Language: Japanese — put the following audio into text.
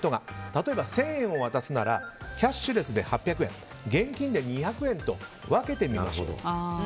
例えば１０００円を渡すならキャッシュレスで８００円現金で２００円と分けてみましょうと。